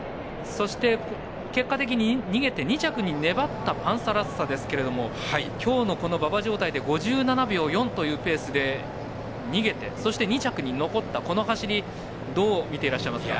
結果的に逃げて２着に粘ったパンサラッサですが今日の馬場状態で５７秒４というペースで逃げて、そして２着に残ったこの走り、どう見ていらっしゃいますか？